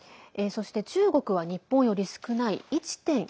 そして、中国は日本より少ない１．１６。